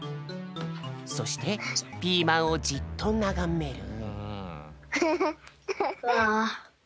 そしてピーマンをじっとながめる。